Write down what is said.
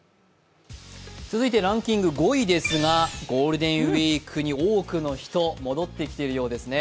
続いてランキング５位ですがゴールデンウイークに多くの人、戻ってきているようですね。